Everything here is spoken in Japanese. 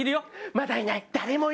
まだいない。